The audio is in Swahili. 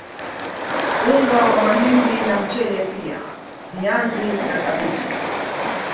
Unga wa mahindi na mchele pia viazi na kabichi